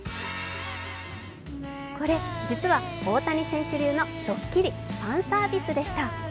これ、実は大谷選手流のドッキリ、ファンサービスでした。